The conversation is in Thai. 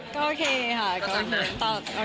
ก็โอเคค่ะ